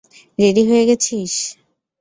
Ready হয়ে গেছিস?